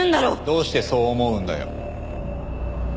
どうしてそう思うんだよ？